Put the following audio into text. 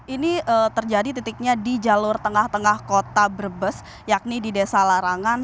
ini terjadi titiknya di jalur tengah tengah kota brebes yakni di desa larangan